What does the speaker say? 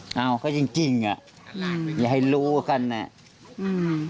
อืมอ้าวก็จริงอ่ะอย่าให้รู้กันอ่ะอืม